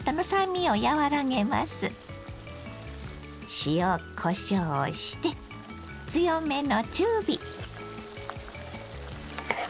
塩こしょうをして強めの中火。